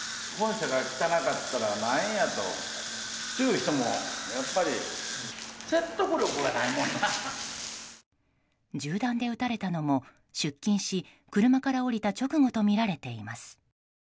銃弾で撃たれたのも出勤し、車から降りた直後とみられています。